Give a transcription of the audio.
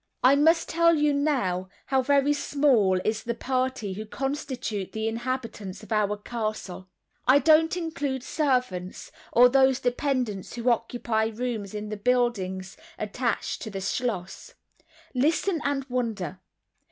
I must tell you now, how very small is the party who constitute the inhabitants of our castle. I don't include servants, or those dependents who occupy rooms in the buildings attached to the schloss. Listen, and wonder!